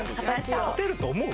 勝てると思う？